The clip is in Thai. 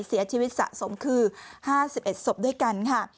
เสียชีวิตสะสมคือ๕๑ศพด้วยกันค่ะ